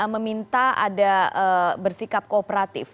meminta ada bersikap kooperatif